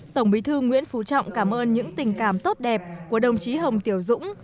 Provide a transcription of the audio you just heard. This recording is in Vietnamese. tổng bí thư nguyễn phú trọng cảm ơn những tình cảm tốt đẹp của đồng chí hồng tiểu dũng